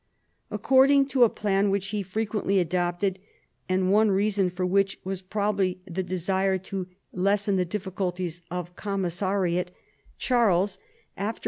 According to a plan wliich he frequently adopted, and one reason for which was probabl}'^ the desire to lessen the difficulties of commissariat, Charles, after FALL OF THE LOMBARD MONARCHY.